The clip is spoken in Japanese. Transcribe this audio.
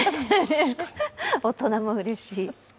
大人もうれしい。